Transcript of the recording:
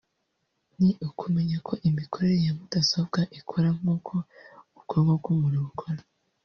ni ukumenya ko imikorere ya mudasobwa ikora nk’uko ubwonko bw’umuntu bukora